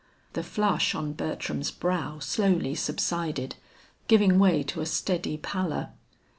The flush on Bertram's brow slowly subsided, giving way to a steady pallor.